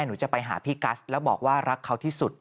หนูจะไปหาพี่กัสแล้วบอกว่ารักเขาที่สุด